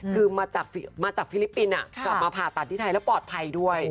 คือมาจากฟิลิปปินส์กลับมาผ่าตัดที่ไทยแล้วปลอดภัยด้วย